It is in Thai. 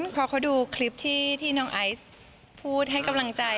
พอเขาดูคลิปที่น้องไอซ์พูดให้กำลังใจ